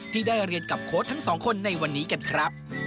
ที่ได้เรียนกับโค้ดทั้งสองคนในวันนี้กันครับ